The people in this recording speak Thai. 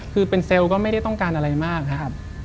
คือเป็นเซลล์ก็ไม่ได้ต้องการอะไรมากนะครับ